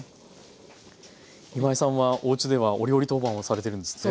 今井さんはおうちではお料理当番をされてるんですって？